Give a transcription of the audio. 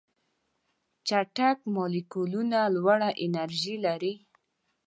چټک مالیکولونه لوړه انرژي لري.